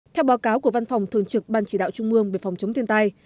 theo báo cáo của văn phòng thường trực ban chỉ đạo trung mương về phòng chống thiên tai